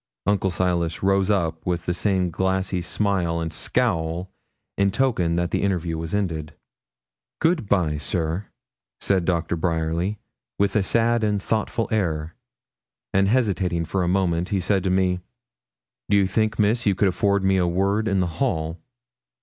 Uncle Silas rose up with the same glassy smile and scowl, in token that the interview was ended. 'Good bye, sir,' said Doctor Bryerly, with a sad and thoughtful air, and hesitating for a moment, he said to me, 'Do you think, Miss, you could afford me a word in the hall?'